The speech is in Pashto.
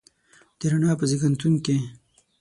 د رڼا په زیږنتون کې